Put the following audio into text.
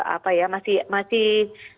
apa ya masih masih